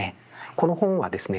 この本はですね